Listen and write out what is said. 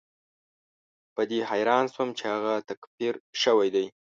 په دې حیران شوم چې هغه تکفیر شوی دی.